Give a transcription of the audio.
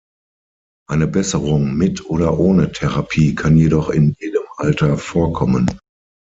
Eine Besserung mit oder ohne Therapie kann jedoch in jedem Alter vorkommen.